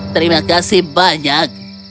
terima kasih banyak